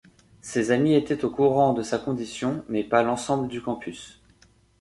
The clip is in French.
Ses amis étaient au courant de sa condition, mais pas l'ensemble du campus.